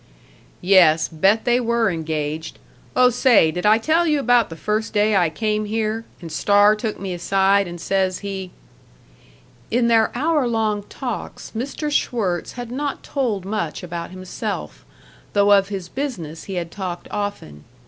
"Yes, bet they were engaged. Oh, say, did I tell you about the first day I came here, and Starr took me aside, and says he " In their hour long talks Mr. Schwirtz had not told much about himself, though of his business he had talked often.